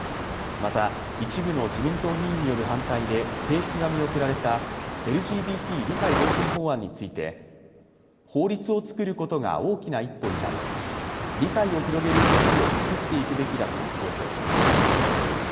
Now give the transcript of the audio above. また一部の自民党議員による反対で提出が見送られたＬＧＢＴ理解増進法案について、法律を作ることが大きな一歩になる、理解を広げる動きを作っていくべきだと強調しました。